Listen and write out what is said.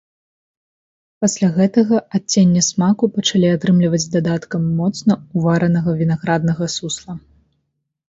Пасля гэтага адценне смаку пачалі атрымліваць дадаткам моцна уваранага вінаграднага сусла.